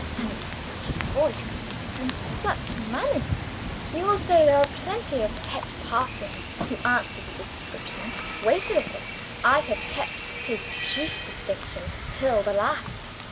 And such a voice, and such manners! You will say there are plenty of pet parsons who answer to this description. Wait a little I have kept his chief distinction till the last.